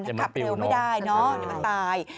ถ้าขับเร็วไม่ได้เนอะจะมาตาย